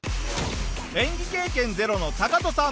演技経験ゼロのタカトさん。